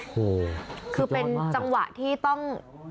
โอ้โหคือเป็นจังหวะที่ต้อง